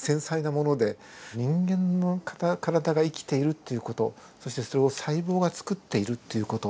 人間の体が生きているという事そしてそれを細胞が作っているという事。